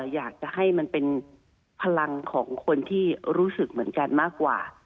อยากจะให้มันเป็นพลังของคนที่รู้สึกเหมือนกันมากกว่า